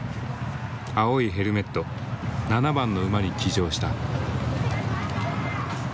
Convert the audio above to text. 青いヘルメット７番の馬に騎乗した。